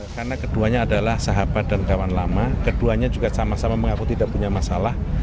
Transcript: karena keduanya adalah sahabat dan kawan lama keduanya juga sama sama mengaku tidak punya masalah